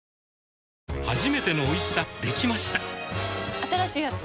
新しいやつ？